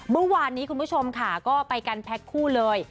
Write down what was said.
เมื่อวานนี้คุณผู้ชมค่ะก็ไปกันแพ็คคู่เลย